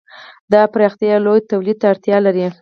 دا پراختیا لوی تولید ته اړتیا لري.